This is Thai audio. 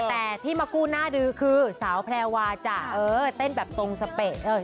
แต่ที่มากู้น่าดื้อคือสาวแพร่ว่าจะเต้นแบบตรงสเปป